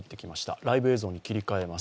ライブ映像に切り替えます。